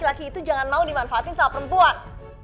tapi laki laki itu jangan mau dimanfaatin sama perempuan